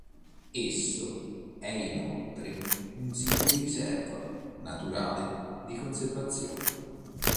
Esso è inoltre un sito di Riserva Naturale di Conservazione..